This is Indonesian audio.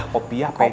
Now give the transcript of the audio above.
kopi ya pak d